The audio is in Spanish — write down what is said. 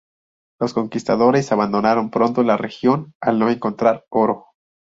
Los conquistadores abandonaron pronto la región al no encontrar oro.